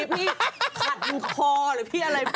พี่ขัดคอหรือพี่อะไร